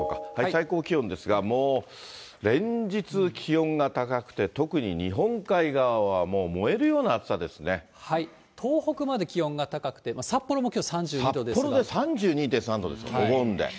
最高気温ですが、もう連日気温が高くて、特に日本海側はもう燃え東北まで気温が高くて、札幌で３２．３度ですよ、お盆で。